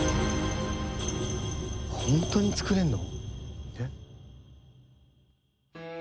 本当に作れんの！？